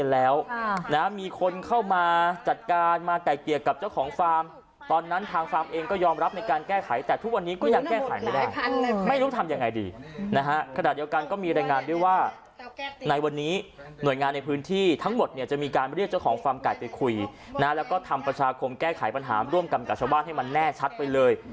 แล้วก็ทำประชาคมแก้ไขปัญหาร่วมกับกับชาวบ้านให้มันแน่ชัดไปเลย